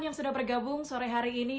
yang sudah bergabung sore hari ini